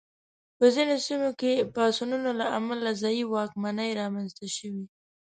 په ځینو سیمو کې پاڅونونو له امله ځايي واکمنۍ رامنځته شوې.